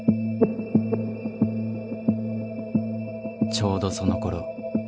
ちょうどそのころ